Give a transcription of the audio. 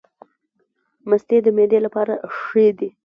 مستې د معدې لپاره ښې دي